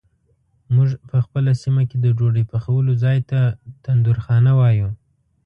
مونږ په خپله سیمه کې د ډوډۍ پخولو ځای ته تندورخانه وایو.